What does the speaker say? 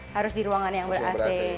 harus di ruangan yang ber ac